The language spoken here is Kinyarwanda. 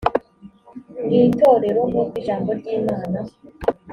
mw itorero nkuko ijambo ry imana